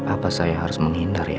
apa saya harus menghindari